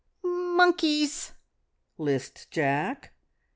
"M monkeys!" lisped Jack.